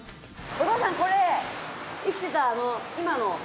お父さんこれ生きてた今の。